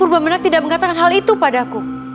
purba menak tidak mengatakan hal itu padaku